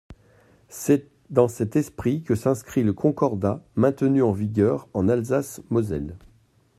C’est dans cet esprit que s’inscrit le Concordat maintenu en vigueur en Alsace-Moselle.